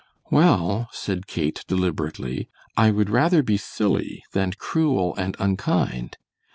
"Well," said Kate, deliberately, "I would rather be silly than cruel and unkind."